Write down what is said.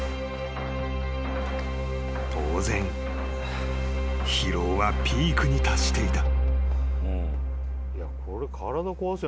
［当然疲労はピークに達していた］